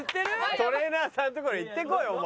トレーナーさんのところへ行ってこいお前。